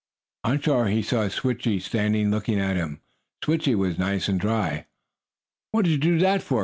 On the shore he saw Switchie standing looking at him. Switchie was nice and dry. "What did you do that for?"